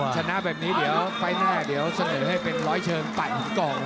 ชนะแบบนี้เดี๋ยวไฟล์หน้าเดี๋ยวเสนอให้เป็นร้อยเชิงปั่นกล่อง